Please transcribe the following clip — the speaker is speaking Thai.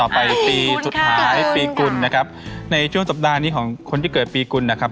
ไปปีสุดท้ายปีกุลนะครับในช่วงสัปดาห์นี้ของคนที่เกิดปีกุลนะครับ